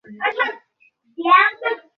করিম সেই বিশেষ কক্ষে উপস্থিত ছিলেন।